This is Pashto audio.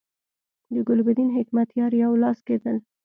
د ګلبدین حکمتیار یو لاس کېدل.